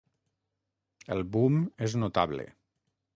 El boom és notable.